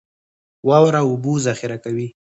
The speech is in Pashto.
واوره اوبه ذخیره کوي